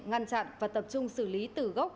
ngăn chặn và tập trung xử lý tử gốc